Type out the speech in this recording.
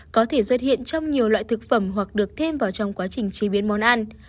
có thể xuất hiện trong nhiều loại thực phẩm hoặc được thêm vào trong quá trình chế biến món ăn